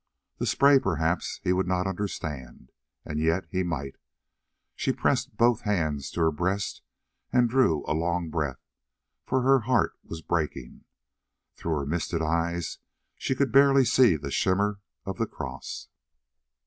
The spray, perhaps, he would not understand; and yet he might. She pressed both hands to her breast and drew a long breath, for her heart was breaking. Through her misted eyes she could barely see the shimmer of the cross.